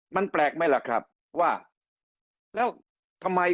มันแปลกไม่รับครับแล้วทำไม